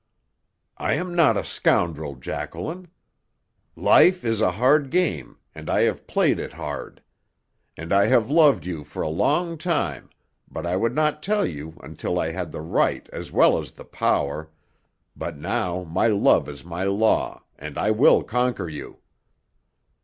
"I am not a scoundrel, Jacqueline. Life is a hard game, and I have played it hard. And I have loved you for a long time, but I would not tell you until I had the right as well as the power but now my love is my law, and I will conquer you!"